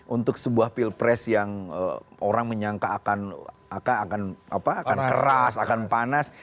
untuk sebuah pilpres yang orang menyangka akan keras akan panas